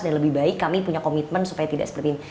dan lebih baik kami punya komitmen supaya tidak seperti ini